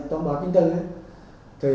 tổng báo kinh tinh